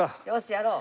やろう！